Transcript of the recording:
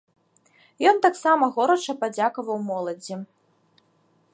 Ён таксама горача падзякаваў моладзі.